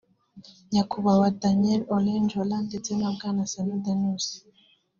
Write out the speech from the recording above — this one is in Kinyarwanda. Nyakubahwa Daniel Ole Njoolay ndetse na Bwana Sanu Danusi